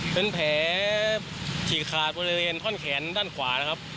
เป็นแผลฉีกขาดบริเวณท่อนแขนด้านขวานะครับ